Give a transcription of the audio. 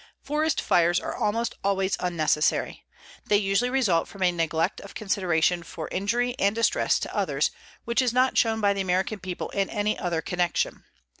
Forest fires are almost always unnecessary. They usually result from a neglect of consideration for injury and distress to others which is not shown by the American people in any other connection.